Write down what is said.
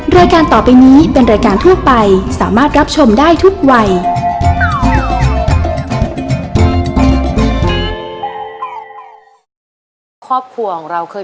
รายการต่อไปนี้เป็นรายการทั่วไปสามารถรับชมได้ทุกวัย